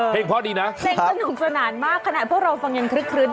เพลงมันก็หนูสนานมากถ้าเราฟังอย่างครึ่ง